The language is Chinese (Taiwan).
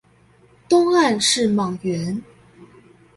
東岸是莽原